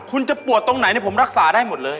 คุณจะปวดตรงไหนผมรักษาได้หมดเลย